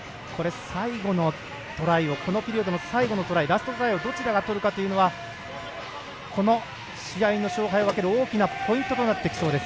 このピリオドの最後のトライラストトライをどちらが取るかというのがこの試合の勝敗を分ける大きなポイントになってきそうです。